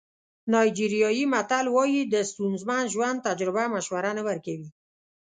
نایجیریایي متل وایي د ستونزمن ژوند تجربه مشوره نه ورکوي.